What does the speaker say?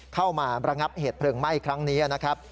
เข้ามาระงับเหตุเพลิงไหม้ครั้งนี้นะครับ